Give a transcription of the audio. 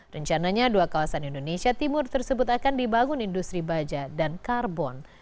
rencananya dua kawasan indonesia timur tersebut akan dibangun industri baja dan karbon